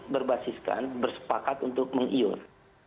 berbasiskan bersepakat untuk meng iur